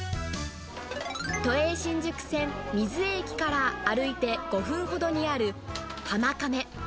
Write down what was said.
都営新宿線瑞江駅から歩いて５分ほどにある、濱亀。